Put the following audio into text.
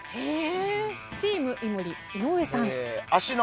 チーム井森井上さん。